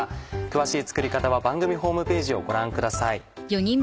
詳しい作り方は番組ホームページをご覧ください。